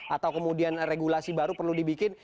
atau kemudian regulasi baru perlu dibikin